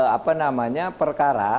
apa namanya perkara